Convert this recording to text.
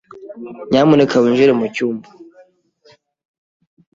Nyamuneka winjire mucyumba.